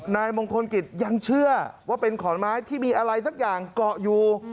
นายมงคลกิจยังเชื่อว่าเป็นขอนไม้ที่มีอะไรสักอย่างเกาะอยู่